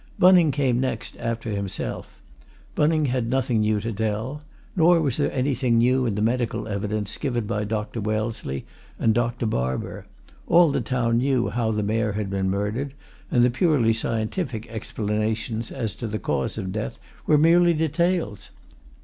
Bunning came next after himself; Bunning had nothing new to tell. Nor was there anything new in the medical evidence given by Dr. Wellesley and Dr. Barber all the town knew how the Mayor had been murdered, and the purely scientific explanations as to the cause of death were merely details.